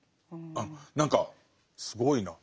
何かすごいな。